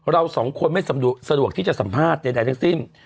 เราสองคนไม่สะดวกที่จะสัมภาษณ์ใดทั้งสิ้น